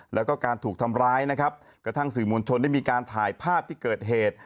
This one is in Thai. แล้วก็การถูกทำร้ายนะครับกระทั่งสื่อมวลชนได้มีการถ่ายภาพที่เกิดเหตุ